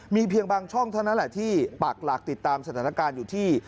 มีเพียงบางช่องเท่านั้นแหละที่ปักหลักติดตามสถานการณ์อยู่ที่